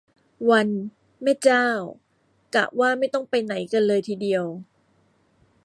วัน แม่เจ้า กะว่าไม่ต้องไปไหนกันเลยทีเดียว